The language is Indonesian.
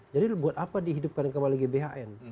jadi buat apa dihidupkan kembali gbhn